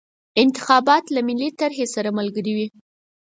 انتخابات له ملي طرحې سره ملګري وي.